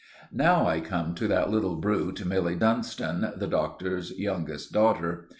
Now I come to that little brute Milly Dunstan, the Doctor's youngest daughter.